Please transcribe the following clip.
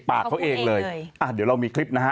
ปากเขาเองเลยเดี๋ยวเรามีคลิปนะฮะ